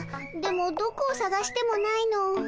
でもどこをさがしてもないの。